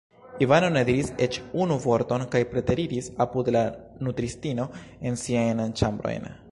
Ivano ne diris eĉ unu vorton kaj preteriris apud la nutristino en siajn ĉambrojn.